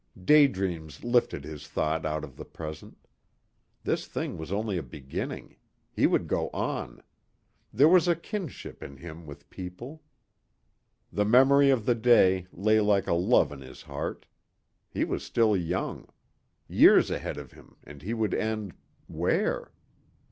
Day dreams lifted his thought out of the present. This thing was only a beginning. He would go on. There was a kinship in him with people. The memory of the day lay like a love in his heart. He was still young. Years ahead of him and he would end where?